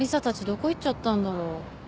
どこ行っちゃったんだろ。